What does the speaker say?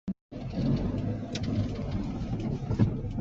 Aa filhhnawmh deuhmi nih hrik cu an ngeih tawn.